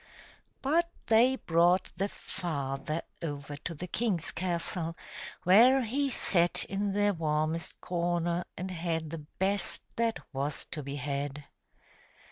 But they brought the father over to the king's castle, where he sat in the warmest corner and had the best that was to be had.